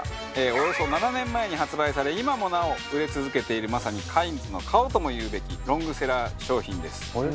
およそ７年前に発売され今もなお売れ続けているまさにカインズの顔とも言うべきロングセラー商品です。